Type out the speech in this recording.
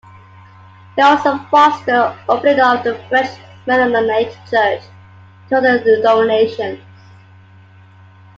He also fostered an opening of the French Mennonite church to other denominations.